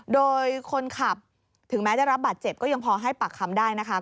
โดยคนขับถึงแม้ได้รับบาดเจ็บก็ยังพอให้ปากคำได้นะคะ